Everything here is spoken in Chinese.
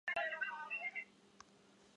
同时是没有转辙器的棒线车站。